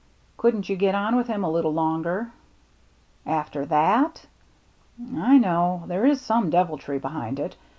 " Couldn't you get on with him a little longer ?" "After that?" " I know — there is some deviltry behind it.